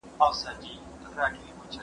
پخوانۍ ټولې نظریې باطلې سوې.